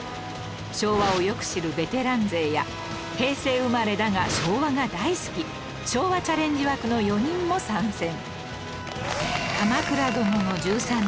昭和をよく知るベテラン勢や平成生まれだが昭和が大好き昭和チャレンジ枠の４人も参戦